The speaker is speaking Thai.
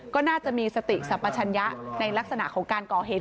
ก็น่าจะมีสติสัมปชัญญะในลักษณะของการก่อเหตุ